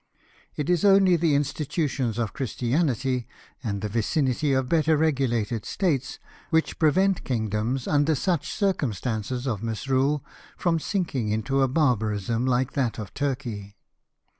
It is only the institutions of CJhristianity, and the vicinity of better regulated States, which prevent kingdoms, under such circumstances of misrule, from sinking into a barbarism like that of Turkey.